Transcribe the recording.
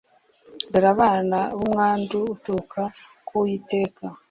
Dore abana numwandu uturuka kuwiteka